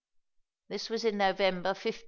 This was in November, 1516.